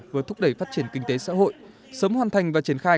vừa thúc đẩy phát triển kinh tế xã hội sớm hoàn thành và triển khai